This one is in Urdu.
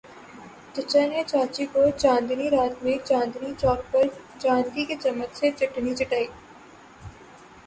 چچا نے چچی کو چاندنی رات میں چاندنی چوک پر چاندی کے چمچ سے چٹنی چٹائ۔